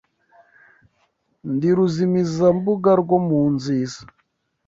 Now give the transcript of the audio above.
Ndi ruzimizambuga rwo mu nziza